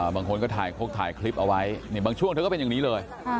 บางคนก็ถ่ายคกถ่ายคลิปเอาไว้บางช่วงเธอก็เป็นอย่างนี้เลย